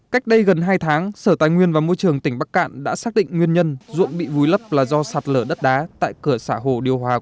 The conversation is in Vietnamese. cách đây gần hai tháng sở tài nguyên và môi trường tỉnh bắc cạn đã xác định nguyên nhân ruộng bị vùi lấp là do sạt lở đất đá tại cửa xã hồ điều hòa